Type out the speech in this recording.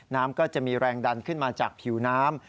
น้ำก็จะมีแรงดันขึ้นมาจากผิวน้ำ